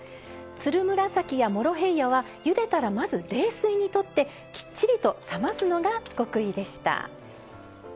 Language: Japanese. つるむらさきやモロヘイヤはゆでたら、まず冷水にとってきっちりと冷ますのが極意でした。